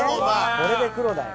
これで黒だよ。